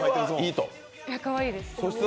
かわいいです。